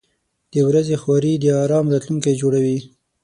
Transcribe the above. • د ورځې خواري د آرام راتلونکی جوړوي.